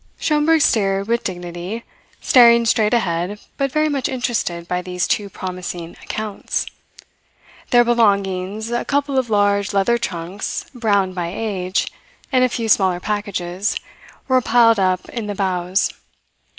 Schomberg steered with dignity, staring straight ahead, but very much interested by these two promising "accounts." Their belongings, a couple of large leather trunks browned by age and a few smaller packages, were piled up in the bows.